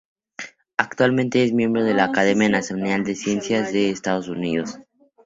Actualmente es miembro de la Academia Nacional de Ciencias de Estados Unidos.